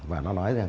và nó nói rằng